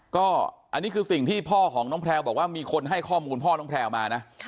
ก็อันนี้คือสิ่งที่พ่อของน้องแพลวบอกว่ามีคนให้ข้อมูลพ่อน้องแพลวมานะ